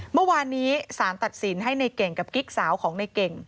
เมื่อวานนี้สารตัดสินให้ในเก่งกับกิ๊กสาวของในเก่ง